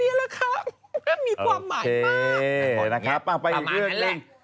มีความหมายมากแบบนี้ประมาณงั้นแหละครับพบพร้อมมาก